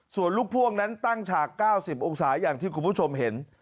ส่วนลูกพ่วงนั้นตั้งฉาก๙๐องศาอย่างที่คุณผู้ชมเห็น